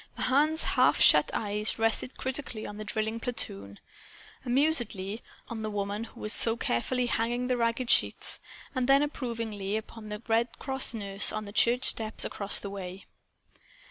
Mahan's half shut eyes rested critically on the drilling platoon amusedly on the woman who was so carefully hanging the ragged sheets, and then approvingly upon the Red Cross nurse on the church steps across the way.